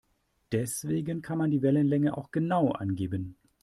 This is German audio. Deswegen kann man die Wellenlänge auch genau angeben.